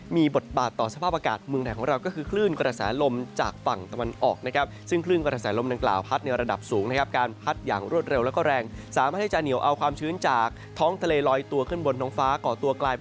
มีบทบาทต่อสภาพอากาศเมืองไทยของเรา